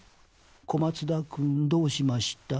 小松田君どうしました？